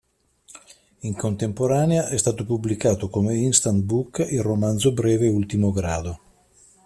In contemporanea è stato pubblicato come "instant book" il romanzo breve "Ultimo grado".